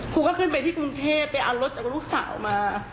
ครูก็ขึ้นไปที่กรุงเทพไปเอารถจากลูกสาวมา